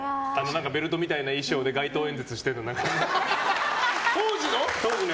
ベルトみたいな衣装で街頭演説してるの。